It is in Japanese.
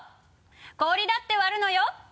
「氷だって割るのよ」